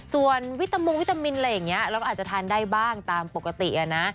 ส่วนวิตามุงวิตามินอะไรอย่างนี้เราก็อาจจะทานได้บ้างตามปกตินะ